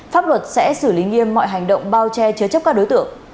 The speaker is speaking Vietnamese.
pháp luật sẽ xử lý nghiêm mọi hành động bao che chứa chấp các đối tượng